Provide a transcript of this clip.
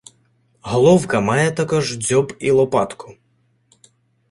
Головка має також дзьоб і лопатку.